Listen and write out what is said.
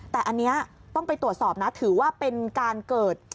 แต่อันนี้ต้องไปตรวจสอบนะถือว่าเป็นการเกิด